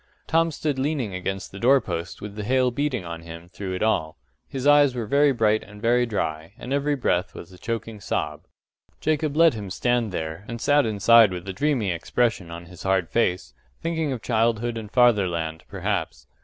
Tom stood leaning against the door post with the hail beating on him through it all. His eyes were very bright and very dry, and every breath was a choking sob. Jacob let him stand there, and sat inside with a dreamy expression on his hard face, thinking of childhood and fatherland, perhaps.